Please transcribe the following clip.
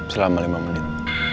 selama lima menit